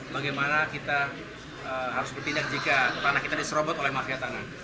bagaimana kita harus bertindak jika tanah kita diserobot oleh mafia tanah